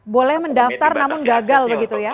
boleh mendaftar namun gagal begitu ya